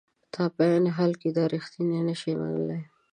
ته په عین حال کې دا رښتیا نشې منلای.